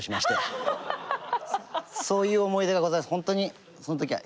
そういう思い出がございます。